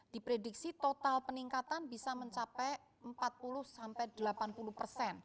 di prediksi total peningkatan bisa mencapai empat puluh delapan puluh persen